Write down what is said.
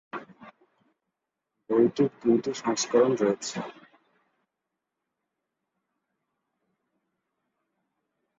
বইটির দুইটি সংস্করণ রয়েছে।